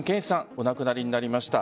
お亡くなりになりました。